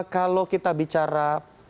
kalau kita bicara